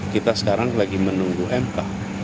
kita sekarang lagi menunggu mk